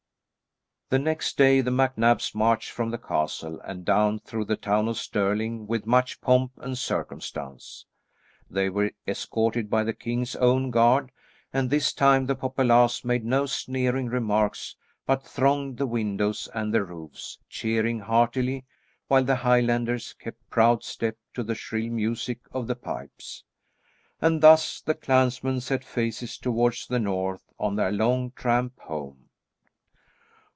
The next day the MacNabs marched from the castle and down through the town of Stirling with much pomp and circumstance. They were escorted by the king's own guard, and this time the populace made no sneering remarks but thronged the windows and the roofs, cheering heartily, while the Highlanders kept proud step to the shrill music of the pipes. And thus the clansmen set faces towards the north on their long tramp home.